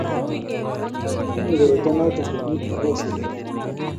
kitinyei koroito noto kenyit ne kosirto